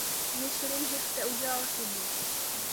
Myslím, že jste udělal chybu.